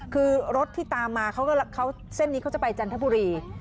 คือรถที่ตามมาเขาเส้นนี้เขาจะไปจันทบุรี